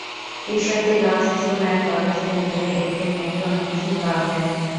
Ishwardi girls school and college কেন্দ্রে একজন মেয়েকে অনুপস্থিত পাওয়া যায়।